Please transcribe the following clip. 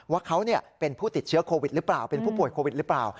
ว่าเขาเป็นผู้ติดเชื้อโควิดหรือเปล่าเป็นผู้ป่วยโควิดหรือเปล่า